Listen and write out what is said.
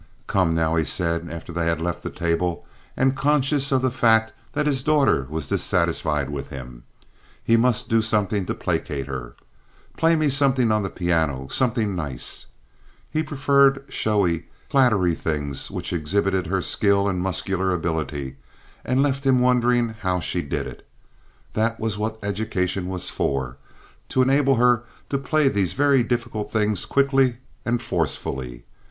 "Come now," he said, after they had left the table, and conscious of the fact that his daughter was dissatisfied with him. He must do something to placate her. "Play me somethin' on the piano, somethin' nice." He preferred showy, clattery things which exhibited her skill and muscular ability and left him wondering how she did it. That was what education was for—to enable her to play these very difficult things quickly and forcefully.